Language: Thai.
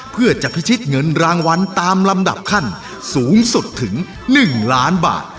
เพื่อจะพิชิตเงินรางวัลตามลำดับขั้นสูงสุดถึง๑ล้านบาท